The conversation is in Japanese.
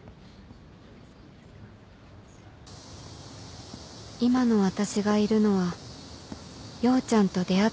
今の私がいるのは陽ちゃんと出会ったからだ